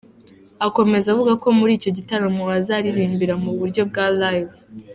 Akomeza avuga ko muri icyo gitaramo azaririmba mu buryo bwa “Live”.